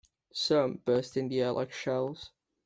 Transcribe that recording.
Some burst in the air like shells.